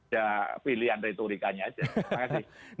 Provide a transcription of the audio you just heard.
cuma pilihan retorikanya aja